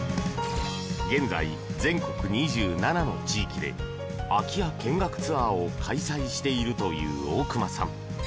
現在、全国２７の地域で空き家見学ツアーを開催しているという大熊さん。